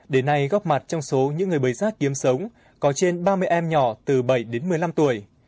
để nay góp mặt trong số những người bới rác kiếm sống có trên ba mươi em nhỏ từ bảy đến một mươi năm tuổi